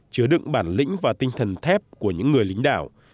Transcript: chứa đựng bản lĩnh và tinh thần thép của những người lính đảo